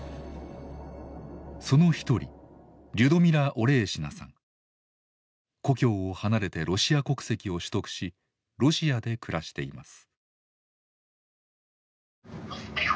その一人故郷を離れてロシア国籍を取得しロシアで暮らしています。